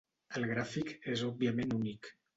El gràfic és òbviament únic.